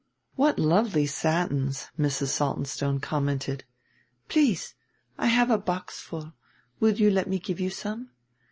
"What lovely satins," Mrs. Saltonstone commented. "Please I have a box full; you will let me give you some?"